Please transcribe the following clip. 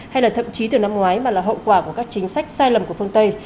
hay là thậm chí từ năm ngoái mà là hậu quả của các chính sách sai lầm của phương tây